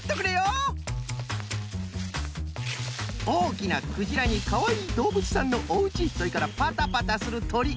おおきなクジラにかわいいどうぶつさんのおうちそれからパタパタするとり。